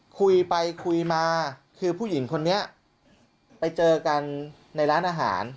คุยไปคุยมาคือผู้หญิงคนนี้ไปเจอกันในร้านอาหาร